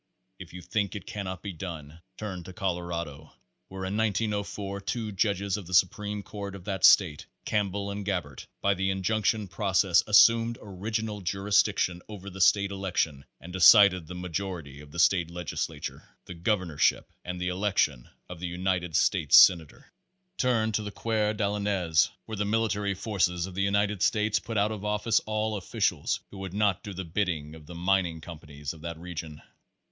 If you think it cannot be done, turn to Colorado where in 1904 two judges of the supreme court of that state, Campbell and Gabbert, by the injunction process assumed original jurisdiction over the state election and decided the majority of the state legislature, the governorship and the election of the United States senator. Page Forty two Turn to the Coeur d'Alenes where the military forces of the United State put out of office all officials who would not do the bidding of the mining companies of that region.